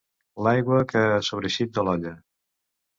L'aigua que ha sobreeixit de l'olla.